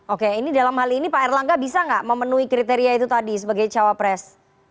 oke ini dalam hal ini pak erlangga bisa nggak memenuhi kriteria itu tadi sebagai cawapres